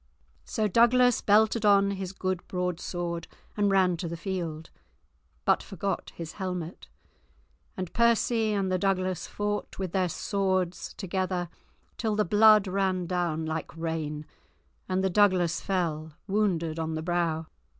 So Douglas belted on his good broadsword, and ran to the field, but forgot his helmet, and Percy and the Douglas fought with their swords together till the blood ran down like rain, and the Douglas fell, wounded on the brow.